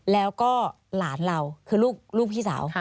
แล้วก็หลานเราคือลูกพี่สาว